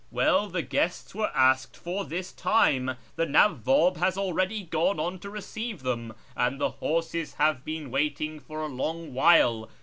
" Well, the guests were asked for this time, the ISTawwab f, has already gone on to receive them, and the horses have \\ been waiting for a long while.